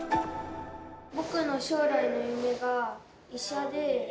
僕の将来の夢は医者で。